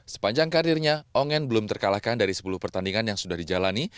sepanjang karirnya ongen belum terkalahkan dari sepuluh pertandingan yang sudah dijalani